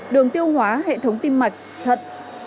đường tiêu hóa hệ thống tim mạch thật